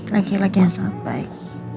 laki laki yang sangat baik